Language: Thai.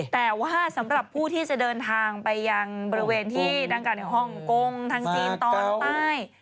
แต่ว่าสำหรับผู้ที่จะเดินทางไปยังบริเวณที่ดังกล่าในฮ่องกงทางจีนตอนใต้